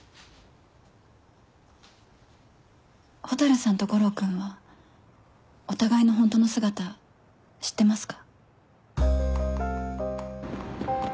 蛍さんと悟郎君はお互いのホントの姿知ってますか？